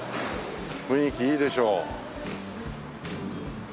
雰囲気いいでしょ。